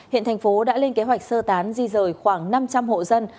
hiện thành phố đã lên kế hoạch sơ tán di rời khoảng năm trăm linh hộ dân